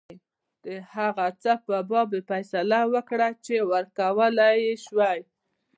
د هغه څه په باب یې فیصله وکړه چې ورکولای یې شوای.